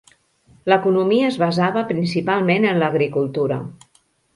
L'economia es basava principalment en l'agricultura.